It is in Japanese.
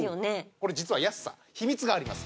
これ実は安さ秘密があります。